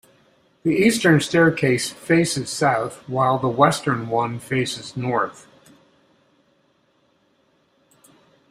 The eastern staircase faces south while the western one faces north.